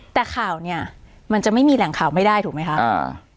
แต่ข่าวเนี้ยมันจะไม่มีแหล่งข่าวไม่ได้ถูกไหมคะอ่า